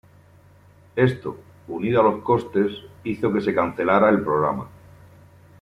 Esto, unido a los costes, hizo que se cancelara el programa.